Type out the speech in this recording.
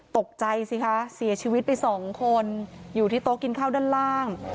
ตกใจสิคะเสียชีวิตไปสองคนอยู่ที่โต๊ะกินข้าวด้านล่าง